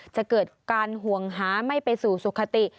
จะเกิดการห่วงหาไม่ไปสู่สุขติ